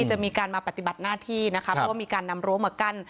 จะมีการมาปฏิบัติหน้าที่นะคะเพราะว่ามีการนำรั้วมากั้น